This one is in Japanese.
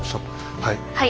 はい。